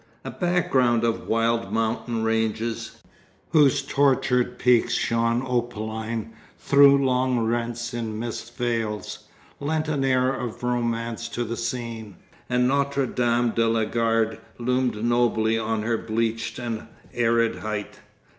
A background of wild mountain ranges, whose tortured peaks shone opaline through long rents in mist veils, lent an air of romance to the scene, and Notre Dame de la Garde loomed nobly on her bleached and arid height.